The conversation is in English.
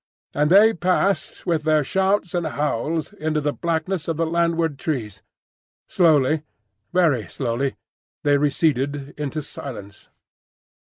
and they passed with their shouts and howls into the blackness of the landward trees. Slowly, very slowly, they receded into silence.